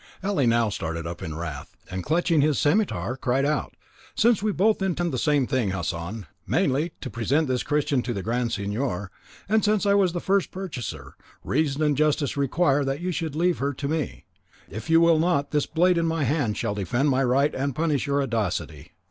Ali now started up in wrath, and, clutching his scimetar, cried out, "Since we both intend the same thing, Hassan, namely, to present this Christian to the Grand Signor, and since I was the first purchaser, reason and justice require that you should leave her to me; if you will not, this blade in my hand shall defend my right, and punish your audacity."